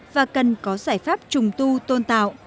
và cần có giải pháp trùng tu tôn tạo